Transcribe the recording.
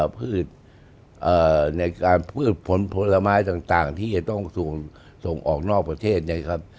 พืชในการพืชผลผลไม้ต่างที่จะต้องส่งออกนอกประเทศเนี่ยครับ